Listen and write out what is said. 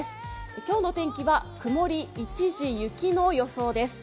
今日の天気は曇り一時雪の予想です。